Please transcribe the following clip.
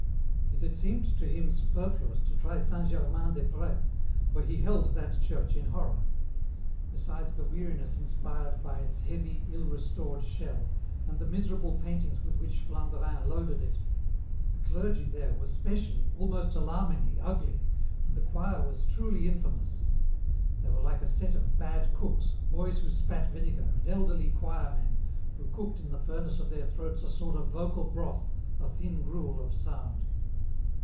It had seemed to him superfluous to try St. Germain des Pr^s, for he held that church in horror. Besides the weariness inspired by its heavy, ill restored shell, and the miserable paintings with which Flandrin loaded it, the clergy there were specially, almost alarmingly, ugly, and the choir was truly infamous. They were like a set of bad cooks, boys who spat vinegar, and elderly choir men, who cooked in the furnace of their throats a sort of vocal broth, a thin gruel of sound.